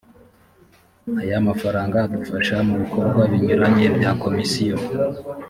aya mafaranga adufasha mu bikorwa binyuranye bya komisiyo .